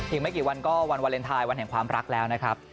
อีกไม่กี่วันก็วันวาเลนไทยวันแห่งความรักแล้วนะครับ